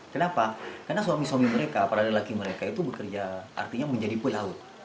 kenapa karena suami suami mereka para lelaki mereka itu bekerja artinya menjadi pui laut